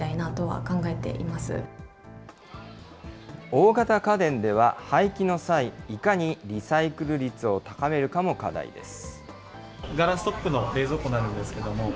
大型家電では廃棄の際、いかにリサイクル率を高めるかも課題です。